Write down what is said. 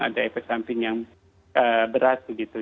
ada efek samping yang berat begitu